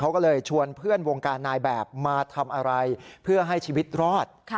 เขาก็เลยชวนเพื่อนวงการนายแบบมาทำอะไรเพื่อให้ชีวิตรอด